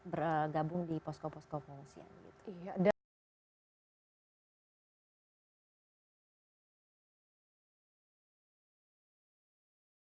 bergabung di posko posko pengungsian